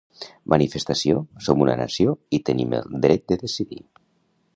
Manifestació «Som una nació i tenim el dret de decidir»